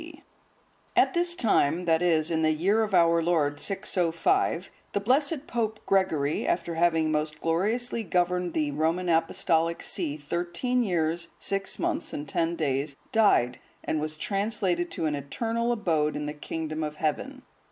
D.] At this time, that is, in the year of our Lord 605,(144) the blessed Pope Gregory, after having most gloriously governed the Roman Apostolic see thirteen years, six months, and ten days, died, and was translated to an eternal abode in the kingdom of Heaven.